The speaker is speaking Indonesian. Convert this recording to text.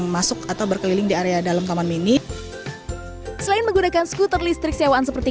masuk atau berkeliling di area dalam taman mini selain menggunakan skuter listrik sewaan seperti